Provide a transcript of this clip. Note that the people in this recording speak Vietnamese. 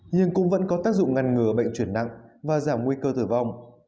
nhưng cũng vẫn có tác dụng ngăn ngừa bệnh chuyển nặng và giảm nguy cơ tử vong